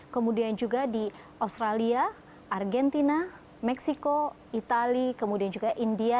kemudian juga di australia argentina meksiko itali kemudian juga india